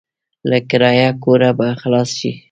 له کرايه کوره به خلاص شې.